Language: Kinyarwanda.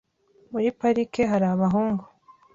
Muri parike hari abahungu.